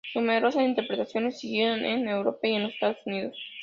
Numerosas interpretaciones siguieron en Europa y en los Estados Unidos.